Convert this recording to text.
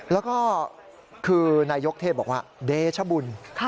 แล้วก็คือนายกเทพบอกว่าเดชบุญ